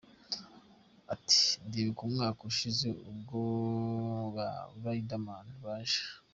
Ati, Ndibuka umwaka ubushize ubwo ba Rider Man baje.